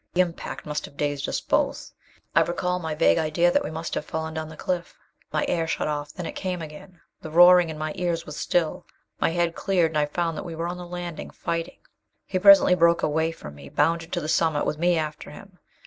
The impact must have dazed us both. I recall my vague idea that we must have fallen down the cliff.... My air shut off then it came again. The roaring in my ears was stilled; my head cleared, and I found that we were on the landing, fighting. He presently broke away from me, bounded to the summit with me after him.